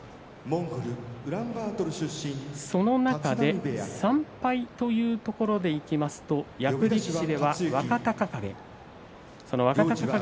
その中で３敗というところでいきますと役力士では若隆景。